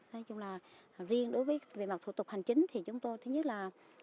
nói chung là riêng đối với về mặt thủ tục hành chính thì chúng tôi thứ nhất là